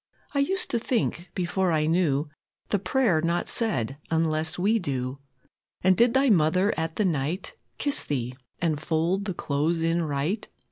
I used to think, before I knew, The prayer not said unless we do. And did Thy Mother at the night Kiss Thee, and fold the clothes in right?